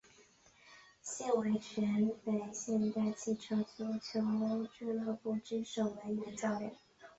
现为全北现代汽车足球俱乐部之守门员教练。